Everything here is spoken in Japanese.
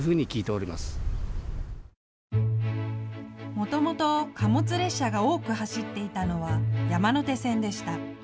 もともと貨物列車が多く走っていたのは山手線でした。